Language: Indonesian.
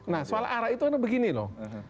nah soal arah itu hanya begini loh